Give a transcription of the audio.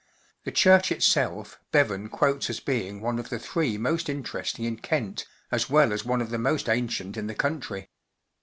The church itself, lie van quotes as being one of the three most interesting in Kent, as well as one of the most ancient in the country.